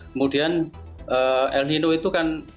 kemudian el nino itu kan